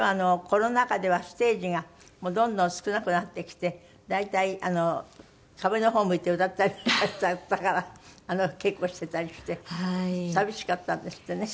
コロナ禍ではステージがもうどんどん少なくなってきて大体壁の方を向いて歌ったりだったから稽古してたりして寂しかったんですってね。